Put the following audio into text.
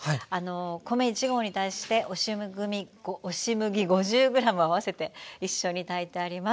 米１合に対して押し麦５０ｇ合わせて一緒に炊いてあります。